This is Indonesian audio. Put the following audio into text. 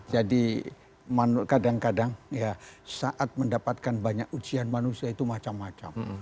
jadi kadang kadang ya saat mendapatkan banyak ujian manusia itu macam macam